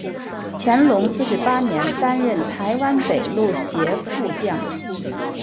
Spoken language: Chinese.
乾隆四十八年担任台湾北路协副将。